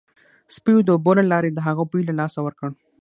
سپیو د اوبو له لارې د هغه بوی له لاسه ورکړ